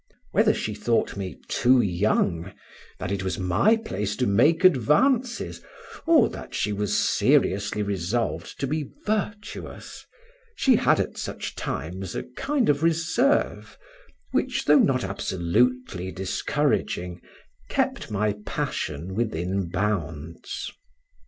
Whether she thought me too young, that it was my place to make advances, or that she was seriously resolved to be virtuous, she had at such times a kind of reserve, which, though not absolutely discouraging, kept my passion within bounds.